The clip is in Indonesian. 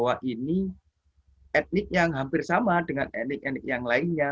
bahwa orang tionghoa ini etnik yang hampir sama dengan etnik etnik yang lainnya